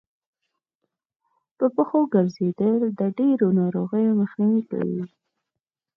په پښو ګرځېدل د ډېرو ناروغيو مخنیوی کوي